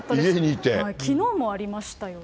きのうもありましたよね。